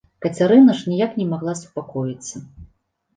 Кацярына ж ніяк не магла супакоіцца.